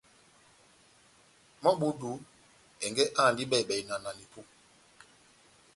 Mɔ́ ó ebúdu, ɛngɛ́ áhandi bɛhi-bɛhi na nanipó